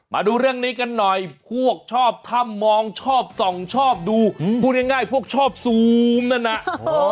มาดูเรื่องนี้กันหน่อยพวกชอบถ้ำมองชอบส่องชอบดูพูดง่ายพวกชอบซูมนั่นน่ะ